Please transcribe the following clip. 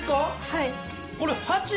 はい。